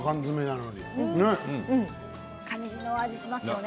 カニの味しますね。